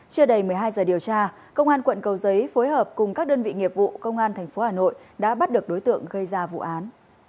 chưa đầy một mươi hai giờ điều tra công an quận cầu giấy phối hợp cùng các đơn vị nghiệp vụ công an tp hà nội đã bắt được đối tượng gây ra vụ án